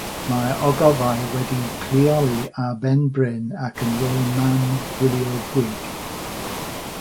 Mae'r ogofâu wedi'u lleoli ar ben bryn ac yn rhoi man gwylio gwych.